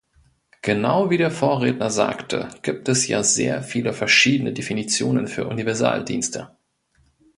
Genau wie der Vorredner sagte, gibt es ja sehr viele verschiedene Definitionen für Universaldienste.